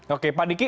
oke pak diki